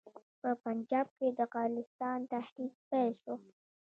په پنجاب کې د خالصتان تحریک پیل شو.